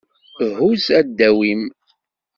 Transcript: Huz adaw-im.